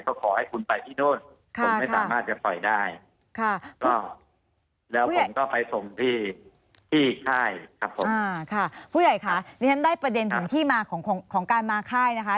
ผมก็ไปส่งที่ที่ค่ายครับผมอ่าค่ะผู้ใหญ่ค่ะนี่ฉันได้ประเด็นถึงที่มาของของของการมาค่ายนะคะ